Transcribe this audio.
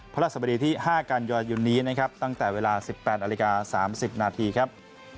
พระราชบดีที่๕กันยายนนี้นะครับตั้งแต่เวลา๑๘นาฬิกา๓๐นาทีครับ